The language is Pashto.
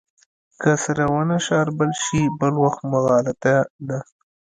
که سره ونه شاربل شي بل وخت مغالطه ده.